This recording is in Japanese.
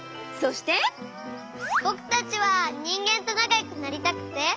ぼくたちはにんげんとなかよくなりたくて。